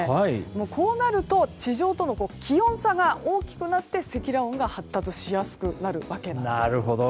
こうなると地上との気温差が大きくなって積乱雲が発達しやすくなるわけなんです。